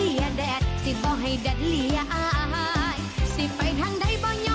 เอ้ยพี่ฝีกันได้ป่ะ